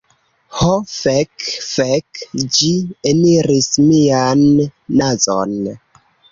Ho fek. Fek, ĝi eniris mian nazon.